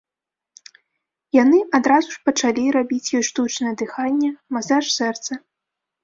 Яны адразу ж пачалі рабіць ёй штучнае дыханне, масаж сэрца.